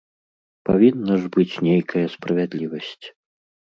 Павінна ж быць нейкая справядлівасць.